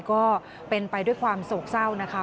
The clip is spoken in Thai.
ก็เป็นไปด้วยความโศกเศร้านะคะ